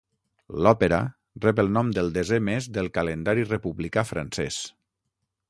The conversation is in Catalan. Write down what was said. L'òpera rep el nom del desè mes del calendari republicà francès.